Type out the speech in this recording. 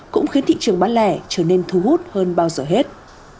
cũng khiến thị trường bán lẻ trở nên thú hút hơn bao nhiêu